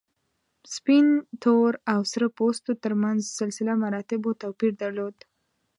سپین، تور او سره پوستو تر منځ سلسله مراتبو توپیر درلود.